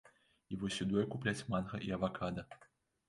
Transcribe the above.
І вось іду я купляць манга і авакада.